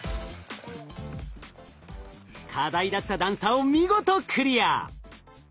課題だった段差を見事クリア！